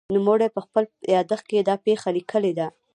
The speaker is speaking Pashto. نوموړي په خپل یادښت کې دا پېښه لیکلې ده.